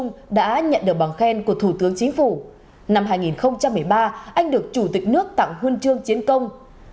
năm hai nghìn một mươi ba anh được chủ tịch nước tặng huân chương chiến công